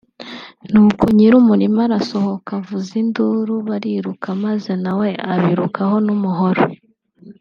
nuko nyir’umurima arasohoka avuza induru barariruka maze nawe abirukaho n’umuhoro